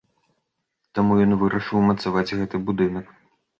Таму ён вырашыў умацаваць гэты будынак.